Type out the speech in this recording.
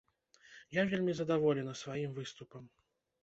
Я вельмі задаволена сваім выступам.